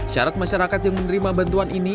syarat masyarakat yang menerima bantuan ini